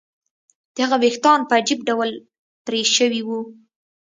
د هغه ویښتان په عجیب ډول پرې شوي وو